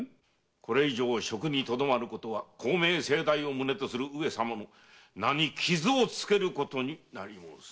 これ以上職にとどまることは公明正大を旨とする上様の名にキズをつけることになり申す。